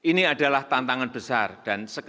ini adalah tantangan besar dan sekarang